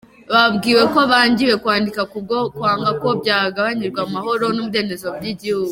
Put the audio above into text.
Babwiwe ko bangiwe kwandikwa ku bwo kwanga ko byabangamira amahoro n’umudendezo by’igihugu.